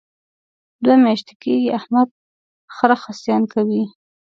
دوه میاشتې کېږي احمد خره خصیان کوي.